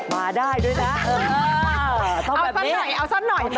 มาได้ด้วยนะเออต้องแบบนี้เอาสักหน่อย